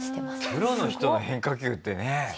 プロの人の変化球ってねえ。